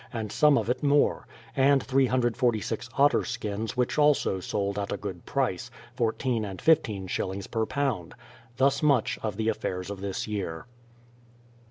and some of it more; and 346 otter skins which also sold at a good price — fourteen and fifteen shillings per lb. Thus much of the affairs of this year.